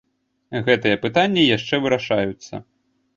Гэтыя пытанні яшчэ вырашаюцца.